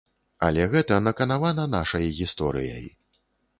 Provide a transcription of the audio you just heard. Але гэта наканавана нашай гісторыяй.